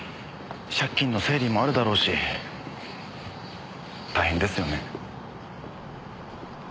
借金の整理もあるだろうし大変ですよね。